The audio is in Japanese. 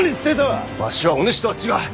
わしはお主とは違う。